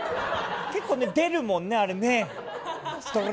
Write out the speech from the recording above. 結構ね、出るもんね、あれね。